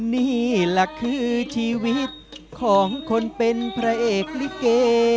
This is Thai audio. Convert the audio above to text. นี่แหละคือชีวิตของคนเป็นพระเอกลิเก